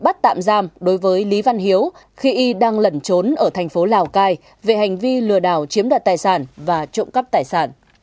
bắt tạm giam đối với lý văn hiếu khi y đang lẩn trốn ở thành phố lào cai về hành vi lừa đảo chiếm đoạt tài sản và trộm cắp tài sản